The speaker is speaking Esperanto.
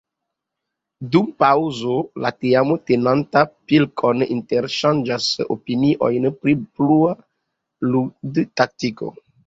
Dum paŭzo, la teamo tenanta pilkon, interŝanĝas opiniojn pri plua ludtaktiko.